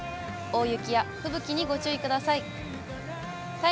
大雪や吹雪にご注意ください。